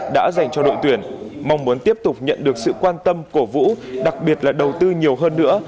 đã dành cho đội tuyển mong muốn tiếp tục nhận được sự quan tâm cổ vũ đặc biệt là đầu tư nhiều hơn nữa